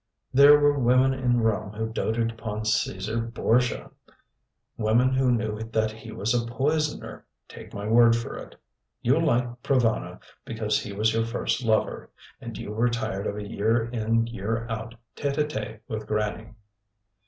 There were women in Rome who doted upon Cæsar Borgia; women who knew that he was a poisoner take my word for it. You liked Provana because he was your first lover, and you were tired of a year in year out tête à tête with Grannie."